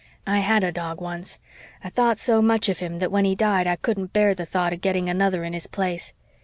"I had a dog once. I thought so much of him that when he died I couldn't bear the thought of getting another in his place.